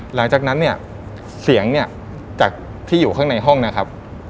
หลังจากนั้นเนี่ยเสียงเนี่ยจากที่อยู่ข้างในห้องนะครับ